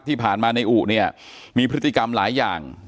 ที่ผ่านมาในอุเนี่ยมีพฤติกรรมหลายอย่าง